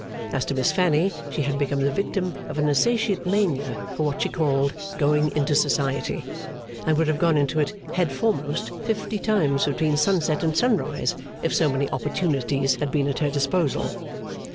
As to Miss Fanny, she had become the victim of an insatiate mania for what she called 'going into society;' and would have gone into it head foremost fifty times between sunset and sunrise, if so many opportunities had been at her disposal.